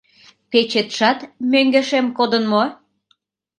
Печетшат мӧҥгешем кодын мо?..